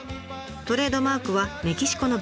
トレードマークはメキシコの帽子。